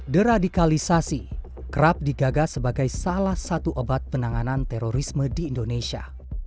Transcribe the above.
deradikalisasi kerap digagas sebagai salah satu obat penanganan terorisme di indonesia